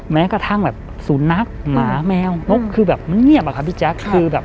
แม้กระทั่งสูณนักหมาแมวนกคือเหนียบอ่ะค่ะพี่แจ๊ก